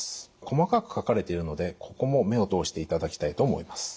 細かく書かれているのでここも目を通していただきたいと思います。